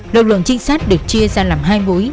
lực lượng trinh sát được chia ra làm hai mối